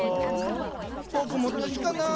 僕も年かなあ。